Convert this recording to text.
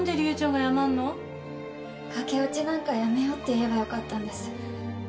駆け落ちなんかやめようって言えばよかったんです。